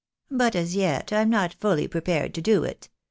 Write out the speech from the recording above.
But as yet I am not fuUy prepared to do it.